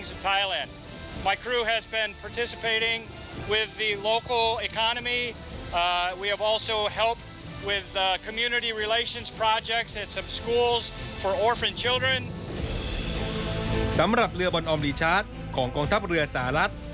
สำหรับเรือบรรอมดีชัดของกองทัพเรือสหรัฐ